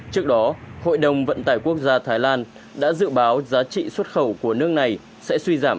trước đó hội đồng vận tải quốc gia thái lan đã dự báo giá trị xuất khẩu của nước này sẽ suy giảm